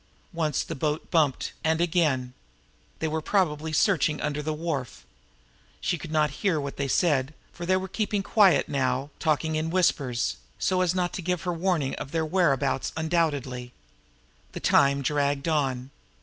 Once the boat bumped, and again. They were probably searching around under the wharf. She could not hear what they said, for they were keeping quiet now, talking in whispers so as not to give her warning of their whereabouts undoubtedly! The time dragged on.